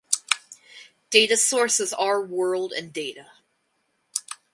Data source is Our World in Data.